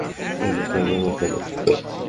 একই কাজ আবার করো।